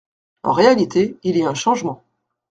En réalité, il y a un changement.